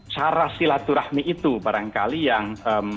cara silaturahmi itu barangkali yang